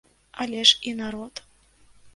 Але ж і народ!